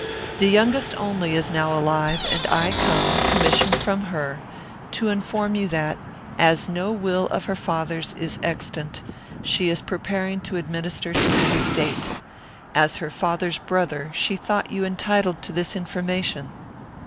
The youngest only is now alive, and I come, commissioned from her, to inform you that, as no will of her father's is extant, she is preparing to administer to his estate. As her father's brother, she thought you entitled to this information."